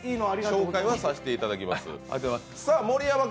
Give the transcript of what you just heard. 紹介はさせていただきます。